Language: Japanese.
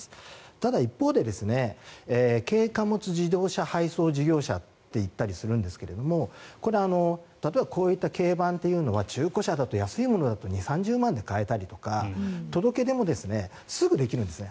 ただ一方で軽貨物自動車配送業者って言ったりするんですけどこれ、例えばこういった契番というのは中古車だと安いものだと２０３０万で買えたりとか届け出もすぐにできるんですね。